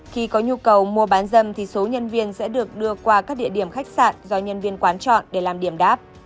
khi có nhu cầu mua bán dâm thì số nhân viên sẽ được đưa qua các địa điểm khách sạn do nhân viên quán chọn để làm điểm đáp